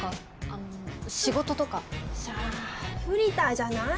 あの仕事とかさあフリーターじゃない？